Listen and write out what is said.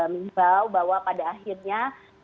menjelaskan bahwa pada akhirnya